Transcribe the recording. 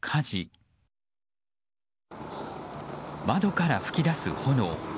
窓から噴き出す炎。